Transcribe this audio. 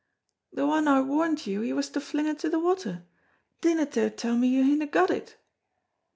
"The ane I warned you he was to fling into the water; dinna dare tell me you hinna got it."